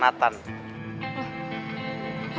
biar gak digangguin sama nathan